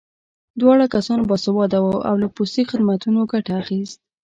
دواړه کسان باسواده وو او له پوستي خدمتونو ګټه اخیست